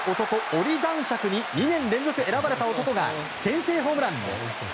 オリ男爵に２年連続、選ばれた男が先制ホームラン！